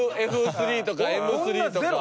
Ｆ３とかＭ３とか。